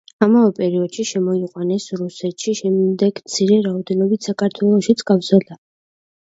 ამავე პერიოდში შემოიყვანეს რუსეთში, შემდეგ მცირე რაოდენობით საქართველოშიც გავრცელდა.